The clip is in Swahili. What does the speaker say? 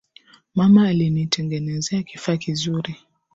Mama alinitengenezea kifaa kizuri